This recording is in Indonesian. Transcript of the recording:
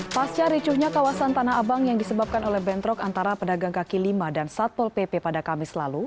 pasca ricuhnya kawasan tanah abang yang disebabkan oleh bentrok antara pedagang kaki lima dan satpol pp pada kamis lalu